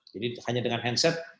jadi hanya dengan handset